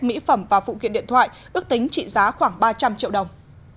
mỹ phẩm và phụ kiện điện thoại ước tính trị giá khoảng ba trăm linh triệu đồng